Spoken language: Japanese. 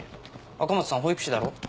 赤松さん保育士だろ。